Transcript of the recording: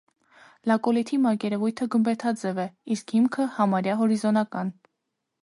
Լակոլիթի մակերևույթը գմբեթաձև է, իսկ հիմքը՝ համարյա հորիզոնական։